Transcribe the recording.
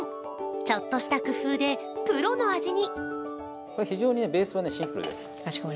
ちょっとした工夫でプロの味に。